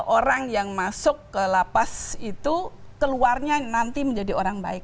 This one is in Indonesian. orang yang masuk ke lapas itu keluarnya nanti menjadi orang baik